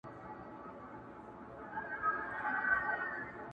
دنظم عنوان دی قاضي او څارنوال.